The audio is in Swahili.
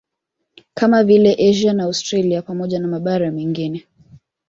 Kama vile Asia na Australia pamoja na mabara mengine